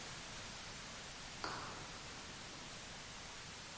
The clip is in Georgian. მასში ოცი კლინიკური გამოცდის შედეგებია შეჯამებული, რომელშიც ათასი ადამიანი მონაწილეობდა.